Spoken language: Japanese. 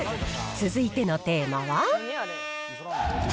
続いてのテーマは。